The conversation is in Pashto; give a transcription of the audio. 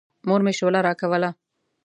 مور مې شوله راکوله.